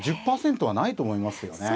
１０％はないと思いますよね。